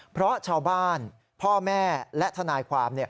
เพราะชาวบ้านพ่อแม่และทนายความ